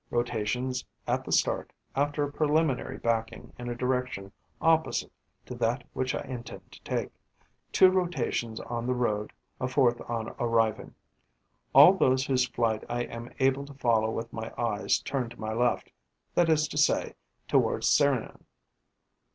Rotations at the start, after a preliminary backing in a direction opposite to that which I intend to take; two rotations on the road; a fourth on arriving. All those whose flight I am able to follow with my eyes turn to my left, that is to say, towards Serignan.